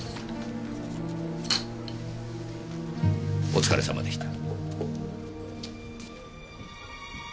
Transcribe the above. お疲れ様でした。